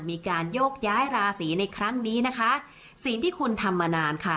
มีการโยกย้ายราศีในครั้งนี้นะคะสิ่งที่คุณทำมานานค่ะ